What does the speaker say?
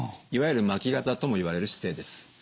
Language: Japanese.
いわゆる巻き肩ともいわれる姿勢です。